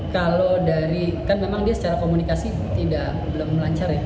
kalau dari kan memang dia secara komunikasi belum lancar ya